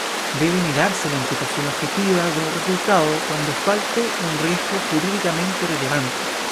Debe negarse la imputación objetiva de un resultado cuando falte un riesgo jurídicamente relevante.